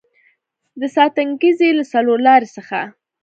د ستانکزي له څلورلارې څخه